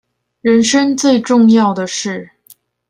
人生最重要的事